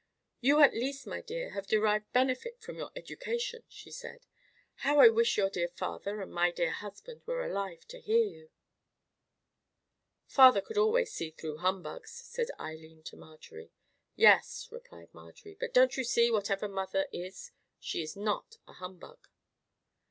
"You at least, my dear, have derived benefit from your education," she said. "How I wish your dear father and my dear husband were alive to hear you." "Father could always see through humbugs," said Eileen to Marjorie. "Yes," replied Marjorie; "but don't you see whatever mother is she is not a humbug?"